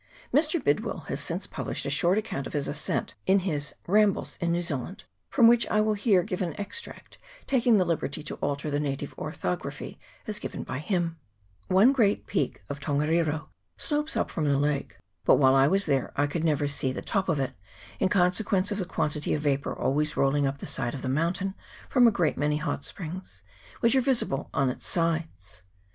Mr. Bidwill has since published a short account of his ascent in his 'Rambles in New Zealand,' from which I will here give an ex tract, taking the liberty to alter the native ortho graphy as given by him :" One great peak of Tongariro slopes up from the lake ; but while I was there I could never see the top of it, in consequence of the quantity of vapour always rolling up the side of the mountain from a great many hot springs which are visible on its sides.